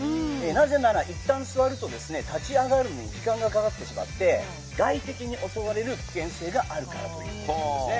なぜなら、いったん座ると立ち上がるのに時間がかかってしまって外敵に襲われる危険性があるからということなんですね。